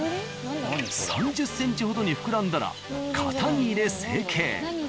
３０ｃｍほどに膨らんだら型に入れ成型。